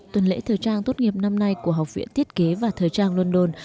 tuần lễ thời trang tốt nghiệp năm nay của học viện thiết kế và thời trang london